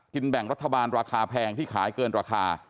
แบ่งรัฐบาลราคาแพงที่ขายเกินราคา